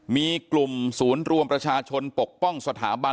มีกลุ่มศูนย์รวมประชาชนปกป้องสถาบัน